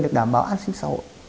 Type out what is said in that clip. đảm bảo an sinh xã hội